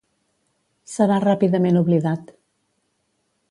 Serà ràpidament oblidat.